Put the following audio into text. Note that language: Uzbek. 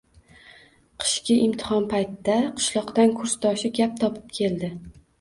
Qishki imtihon payti qishloqdan kursdoshi gap topib keldi